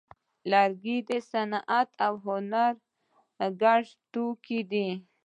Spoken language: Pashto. لرګی د صنعت او هنر ګډ توکی دی.